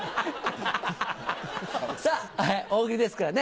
さぁ大喜利ですからね。